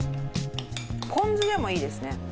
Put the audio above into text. ポン酢でもいいですね